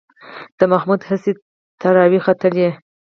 د محمود هسې ټراري ختله.